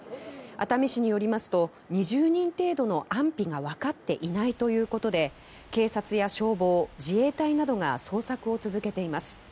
熱海市によりますと２０人程度の安否が分かっていないということで警察や消防、自衛隊などが捜索を続けています。